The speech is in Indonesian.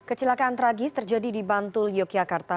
kecelakaan tragis terjadi di bantul yogyakarta